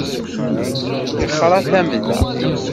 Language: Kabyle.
Yexra tamda.